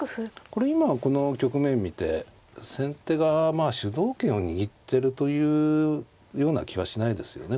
これ今この局面見て先手がまあ主導権を握ってるというような気はしないですよね